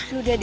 aduh udah deh